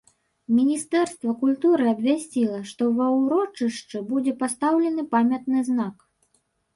Міністэрства культуры абвясціла, што ва ўрочышчы будзе пастаўлены памятны знак.